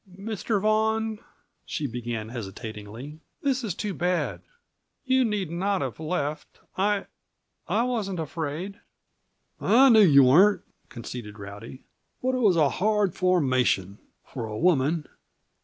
"Mr. Vaughan," she began hesitatingly, "this is too bad; you need not have left. I I wasn't afraid." "I know you weren't," conceded Rowdy. "But it was a hard formation for a woman.